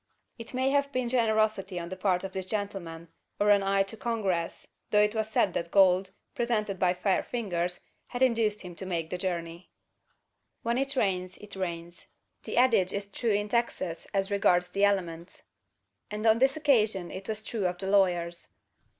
It may have been generosity on the part of this gentleman, or an eye to Congress, though it was said that gold, presented by fair fingers, had induced him to make the journey. When it rains, it rains. The adage is true in Texas as regards the elements; and on this occasion it was true of the lawyers.